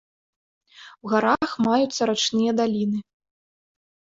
У гарах маюцца рачныя даліны.